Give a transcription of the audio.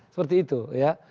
seperti itu ya